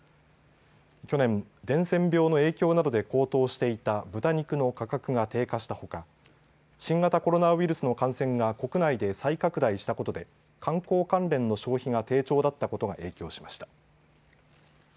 去年、伝染病の影響などで高騰していた豚肉の価格が低下したほか新型コロナウイルスの感染が国内で再拡大したことで観光関連の消費が低調だったことが影響しました。